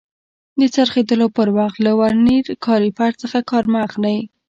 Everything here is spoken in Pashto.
د څرخېدلو پر وخت له ورنیر کالیپر څخه کار مه اخلئ.